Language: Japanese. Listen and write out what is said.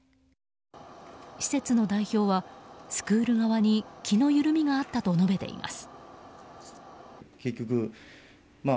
施設の代表は、スクール側に気の緩みがあったと述べています。